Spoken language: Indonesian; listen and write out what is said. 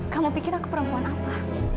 kamu pikir aku perempuan apa